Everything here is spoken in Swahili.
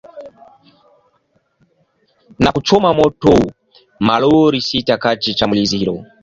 na kuchoma moto malori sita katika shambulizi hilo